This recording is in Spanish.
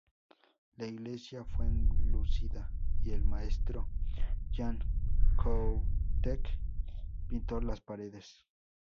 La iglesia fue enlucida y el maestro Jan Kohoutek pintó las paredes.